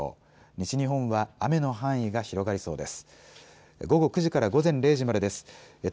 西日本は雨の範囲が広がりそうです。